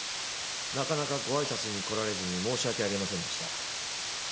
なかなかご挨拶に来られずに申し訳ありませんでした。